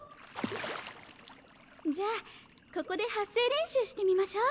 じゃあここで発声練習してみましょう。